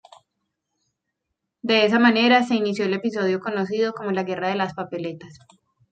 De esa manera se inició el episodio conocido como "la guerra de las papeletas".